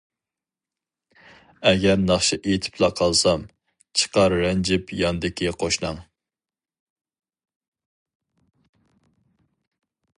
ئەگەر ناخشا ئېيتىپلا قالسام، چىقار رەنجىپ ياندىكى قوشناڭ.